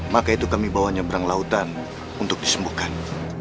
maka itu kami bawa nyebrang lautan untuk disembuhkan